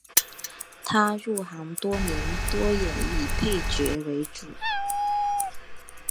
他入行多年多演绎配角为主。